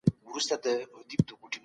دولت په غیر مستقیم ډول پر وده اغېز کوي.